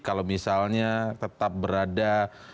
kalau misalnya tetap berada